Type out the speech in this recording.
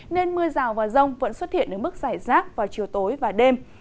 nên mưa rào và rông vẫn xuất hiện đến mức giải rác vào chiều tối và đêm